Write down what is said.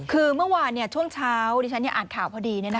คือเมื่อวานช่วงเช้าดิฉันอ่านข่าวพอดี